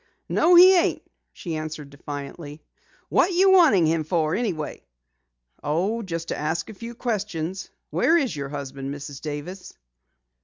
"No, he ain't," she answered defiantly. "What you wanting him for anyhow?" "Oh, just to ask a few questions. Where is your husband, Mrs. Davis?"